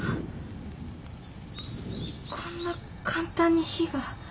こんな簡単に火が。